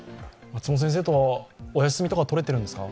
松本先生はお休みとか取れているんですか？